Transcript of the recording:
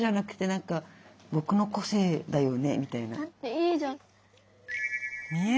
いいじゃん。